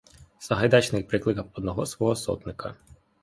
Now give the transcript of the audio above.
Сагайдачний прикликав одного свого сотника.